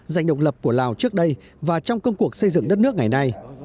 giành độc lập của lào trước đây và trong công cuộc xây dựng đất nước ngày nay